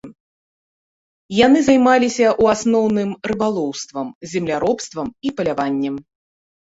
Яны займаліся, у асноўным, рыбалоўствам, земляробствам і паляваннем.